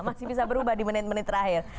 masih bisa berubah di menit menit terakhir